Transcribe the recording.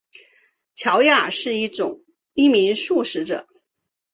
乔雅是一名素食者。